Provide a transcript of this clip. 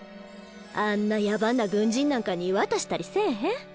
あんな野蛮な軍人なんかに渡したりせぇへん。